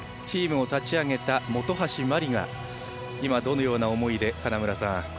チームを立ち上げた本橋麻里が今、どのような思いで金村さん